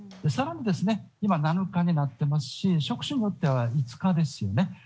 更に今、７日になっていますし職種によっては５日ですよね。